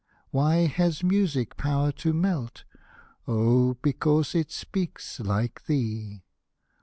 Why has music power to melt ? Oh I because it speaks like thee.